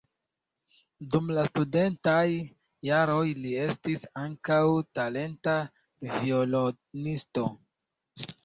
Dum la studentaj jaroj li estis ankaŭ talenta violonisto.